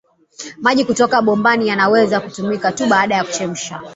Maji kutoka bombani yanaweza kutumika tu baada ya kuchemsha